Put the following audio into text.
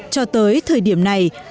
cho tới thời điểm này